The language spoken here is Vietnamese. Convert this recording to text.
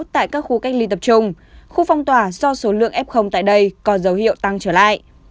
tại các khu cách ly tập trung khu phong tỏa do số lượng f tại đây có dấu hiệu tăng trở lại